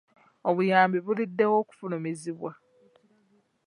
Obuyambi buluddewo okufulumizibwa.